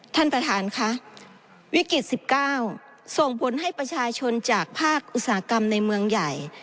ท่านประธานค่ะวิกฤต๑๙ส่งผลให้ประชาชนจากภาคอุตสาหกรรมในเมืองใหญ่